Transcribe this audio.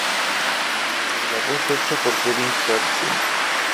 La voz fue hecha por Kevin Carlson.